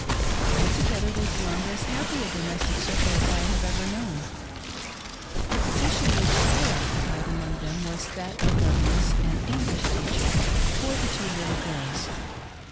Altogether they formed as happy a domestic circle as I had ever kno \pi. The position which I occupied among them was that of governess and English teacher to the two little girls.